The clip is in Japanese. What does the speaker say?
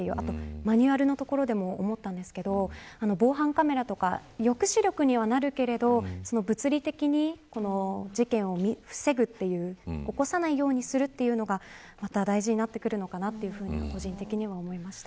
マニュアルのところでも思ったんですけど防犯カメラとか抑止力にはなるけど物理的に事件を防ぐという起こさないようにするというのが大事になってくるのかなと個人的には思いました。